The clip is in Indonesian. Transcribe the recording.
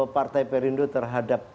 partai perindu terhadap